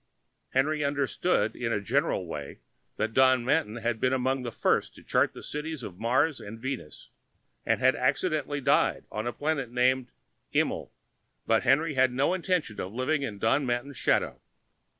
Henry understood in a general way that Don Manton had been among the first to chart the cities of Mars and Venus, and had accidentally died on a planet named Immel; but Henry had no intention of living in Don Manton's shadow.